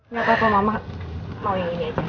nggak apa apa mama mau yang ini aja